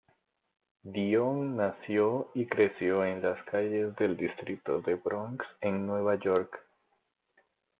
Dion nació y creció en las calles del distrito de Bronx, en Nueva York.